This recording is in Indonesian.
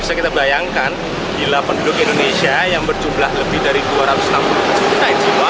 bisa kita bayangkan bila penduduk indonesia yang berjumlah lebih dari dua ratus enam puluh tujuh juta jiwa